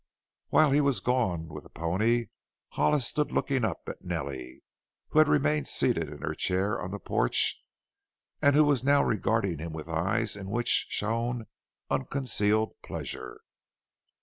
While he was gone with the pony Hollis stood looking up at Nellie, who had remained seated in her chair on the porch and who was now regarding him with eyes in which shone unconcealed pleasure.